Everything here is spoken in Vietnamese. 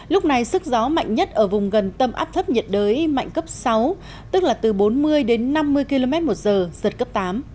lúc này sức gió mạnh nhất ở vùng gần tâm áp thấp nhiệt đới mạnh cấp sáu tức là từ bốn mươi đến năm mươi km một giờ giật cấp tám